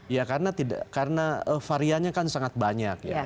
ya karena varianya kan sangat banyak